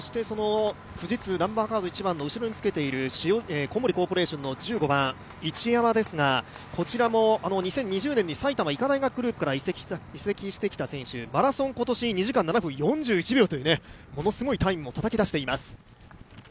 富士通の１番、後ろについてるつけいる小森コーポレーションの１５番、市山ですが、こちらも２０２０年に埼玉医科大学グループから移籍してきた選手、マラソン今年２時間７分４１秒というものすごいタイムをたたき出しています。